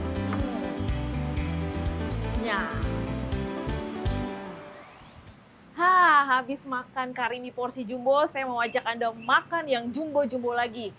nah habis makan karimi porsi jumbo saya mau ajak anda makan yang jumbo jumbo lagi